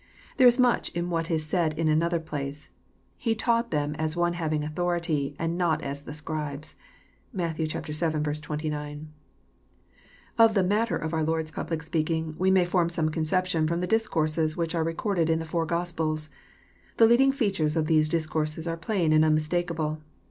There is much in what is said in another place: "He taught them as One having au thority, and not as the Scribes." (Matt. vii. 29.) Of the matter of our Lord's public speaking, we may form some conception from the discourses which are recorded in the four Gospels. The leading features of these discourses are plain and unmistakable.